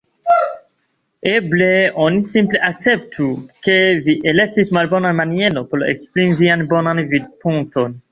Eble oni simple akceptu, ke vi elektis malbonan manieron por esprimi vian bonan vidpunkton.